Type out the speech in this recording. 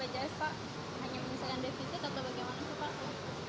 hanya penyesuaian defisit atau bagaimana pak